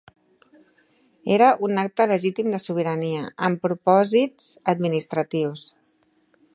Era un acte legítim de sobirania, amb propòsits administratius.